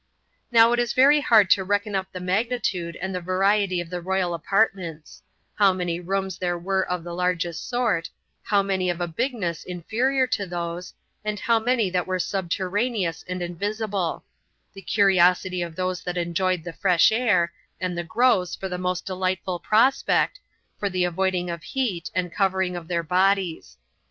Now it is very hard to reckon up the magnitude and the variety of the royal apartments; how many rooms there were of the largest sort, how many of a bigness inferior to those, and how many that were subterraneous and invisible; the curiosity of those that enjoyed the fresh air; and the groves for the most delightful prospect, for the avoiding the heat, and covering of their bodies.